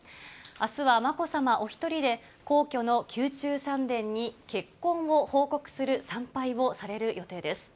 あすはまこさまお１人で、皇居の宮中三殿に結婚を報告する参拝をされる予定です。